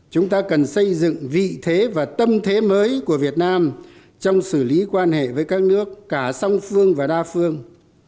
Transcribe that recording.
chúng ta cần xây dựng vị thế và tâm thế mới của việt nam trong xử lý quan hệ với các nước cả song phương và đa phương